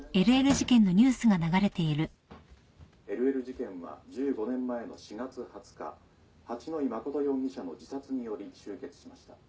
ＬＬ事件は１５年前の４月２０日八野衣真容疑者の自殺により終結しました。